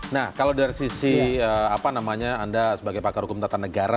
nah kalau dari sisi apa namanya anda sebagai pakar hukum tata negara